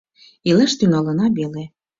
Илаш тӱҥалына веле.